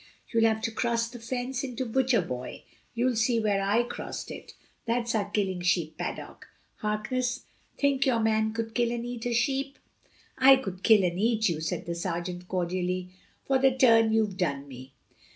You'll have to cross the fence into Butcher boy; you'll see where I crossed it. That's our killing sheep paddock, Harkness; think your man could kill and eat a sheep?" "I could kill and eat you," said the sergeant cordially, "for the turn you've done me."